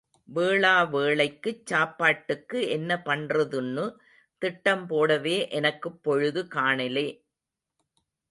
வேளா வேளைக்குச் சாப்பாட்டுக்கு என்ன பண்றதுன்னு திட்டம் போடவே எனக்குப் பொழுது காணலே.